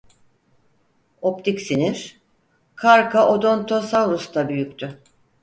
Optik sinir "Carcharodontosaurus'ta" büyüktü.